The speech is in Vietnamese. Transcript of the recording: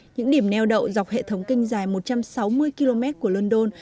những điểm neo đậu dọc hệ thống kênh dài một trăm sáu mươi km của london